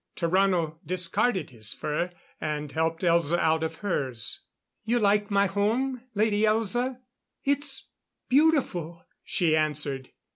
Tarrano discarded his fur, and helped Elza out of hers. "You like my home, Lady Elza?" "It's beautiful," she answered.